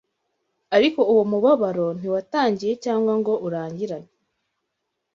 ariko uwo mubabaro ntiwatangiye cyangwa ngo urangirane